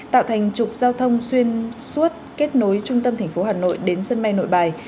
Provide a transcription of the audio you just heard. tạo thành trục giao thông xuyên suốt kết nối trung tâm thành phố hà nội đến sân bay nội bài